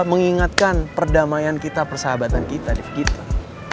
mengingatkan perdamaian kita persahabatan kita di kita